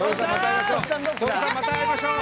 徹さんまた会いましょう。